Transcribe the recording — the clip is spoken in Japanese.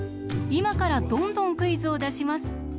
いまからどんどんクイズをだします。